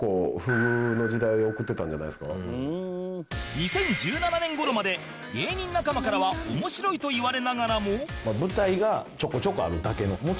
２０１７年頃まで芸人仲間からは面白いと言われながらも